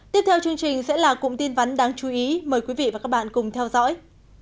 tiếp theo chương trình sẽ là cụm tin vắn đáng chú ý mời quý vị và các bạn cùng theo dõi